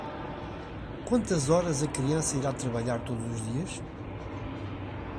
Quantas horas a criança irá trabalhar todos os dias?